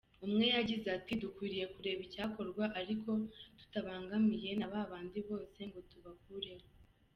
Umwe yagize ati “Dukwiriye kureba icyakorwa ariko tutabangamiye na babandi bose ngo tubakureho.